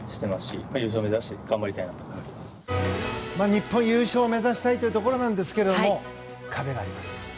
日本は優勝を目指したいというところなんですけど壁があります。